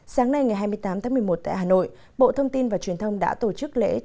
sáng nay ngày hai mươi tám tháng một mươi một tại hà nội bộ thông tin và chủ tịch nước nguyễn phú trọng đã gửi điện mừng